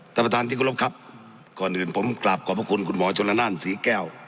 ท่านประธานทิกลบครับก่อนอื่นผมกราบขอบคุณคุณหมอจนนั่นสีแก้ว